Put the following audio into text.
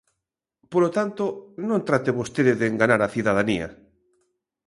Polo tanto, non trate vostede de enganar a cidadanía.